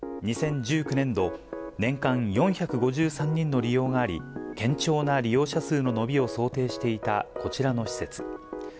２０１９年度、年間４５３人の利用があり、堅調な利用者数の伸びを想定していたこちらの施設。